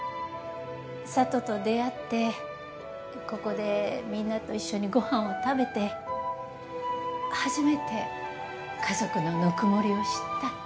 佐都と出会ってここでみんなと一緒にご飯を食べて初めて家族のぬくもりを知ったって。